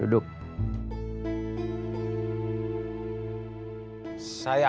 udah ke arah